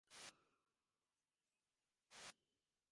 তিনি বহরমপুর পৌরসভা ও মুর্শিদাবাদ জেলা বোর্ডের চেয়ারম্যানও হয়েছিলেন।